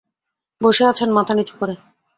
বসে আছেন মাথা নিচু করে।